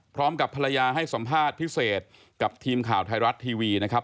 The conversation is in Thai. พร้อมกับภรรยาให้สัมภาษณ์พิเศษกับทีมข่าวไทยรัฐทีวีนะครับ